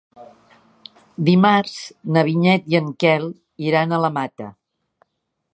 Dimarts na Vinyet i en Quel iran a la Mata.